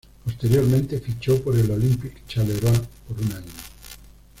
Posteriormente fichó por el Olympic Charleroi por un año.